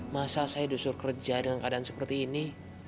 masa saya disuruh kerja dengan keadaan seperti ini